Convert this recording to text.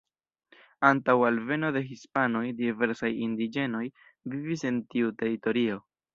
Antaŭ alveno de hispanoj diversaj indiĝenoj vivis en tiu teritorio.